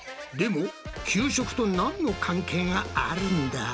でも給食となんの関係があるんだ？